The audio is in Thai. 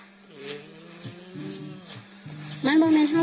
ขอบคุณมากครับขอบคุณมากครับ